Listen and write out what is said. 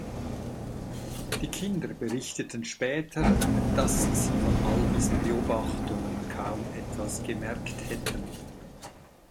Die Kinder berichteten später, dass sie von all diesen Beobachtungen kaum etwas gemerkt hätten.